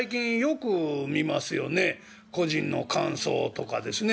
「個人の感想」とかですね。